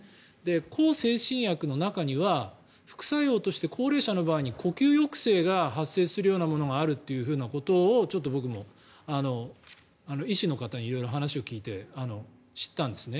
向精神薬の中には副作用として高齢者の場合に呼吸抑制が発生するようなものがあるということをちょっと僕も医師の方に話を聞いて知ったんですね。